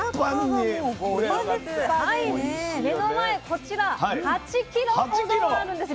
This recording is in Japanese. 目の前こちら８ｋｇほどあるんです。